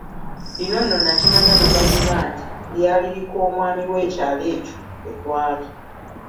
Lino nno nakimanya luvannyuma nti, lyali lik’omwami w’ekyalo ekyo kwe twali.